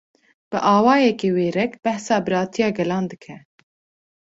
Bi awayeke wêrek, behsa biratiya gelan dike